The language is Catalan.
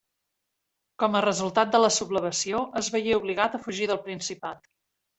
Com a resultat de la sublevació, es veié obligat a fugir del Principat.